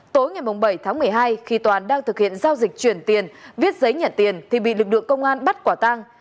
tối ngày bảy tháng một mươi hai khi toàn đang thực hiện giao dịch chuyển tiền viết giấy nhận tiền thì bị lực lượng công an bắt quả tang